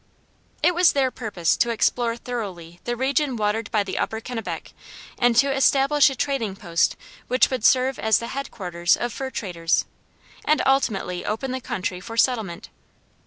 It was their purpose to explore thoroughly the region watered by the upper Kennebec, and to establish a trading post which would serve as the headquarters of fur traders, and ultimately open the country for settlement.